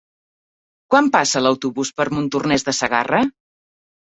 Quan passa l'autobús per Montornès de Segarra?